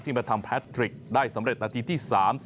มาทำแพทริกได้สำเร็จนาทีที่๓๐